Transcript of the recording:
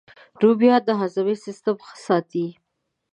رومیان د هاضمې سیسټم ښه ساتي